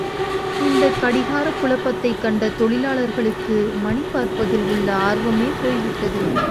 இந்தக் கடிகாரக் குழப்பத்தைக் கண்ட தொழிலாளர்களுக்கு மணி பார்ப்பதில் உள்ள ஆர்வமே போய் விட்டது.